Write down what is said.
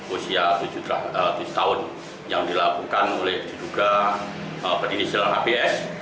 usia tujuh ratus tahun yang dilakukan oleh diduga berinisial abs